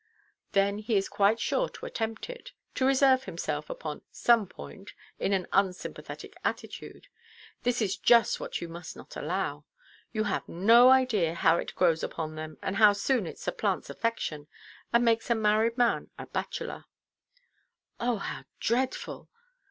"Then he is quite sure to attempt it; to reserve himself, upon some point, in an unsympathetic attitude. This is just what you must not allow. You have no idea how it grows upon them, and how soon it supplants affection, and makes a married man a bachelor." "Oh, how dreadful!